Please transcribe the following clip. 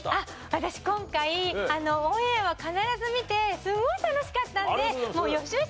私今回オンエアは必ず見てすごい楽しかったんで。